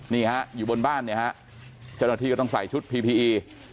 นี่ฮะอยู่บนบ้านเนี่ยฮะเจ้าหน้าที่ก็ต้องใส่ชุดพีพีอี